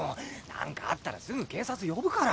なんかあったらすぐ警察呼ぶから。